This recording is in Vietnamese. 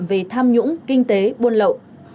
về tham nhũng kinh tế buôn lậu